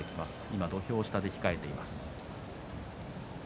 今土俵下で控えています。